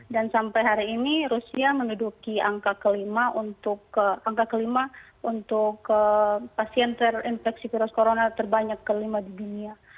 dan sampai hari ini rusia menduduki angka kelima untuk pasien terinfeksi virus corona terbanyak kelima di dunia